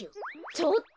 ちょっと！